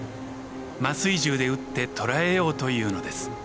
麻酔銃で撃って捕らえようというのです。